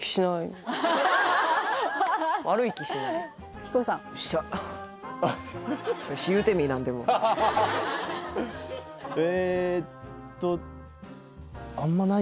悪い気しないヒコさんよっしゃえっと